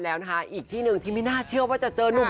แล้วนะคะอีกที่หนึ่งที่ไม่น่าเชื่อว่าจะเจอนุ่ม